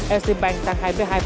ecbank tăng hai hai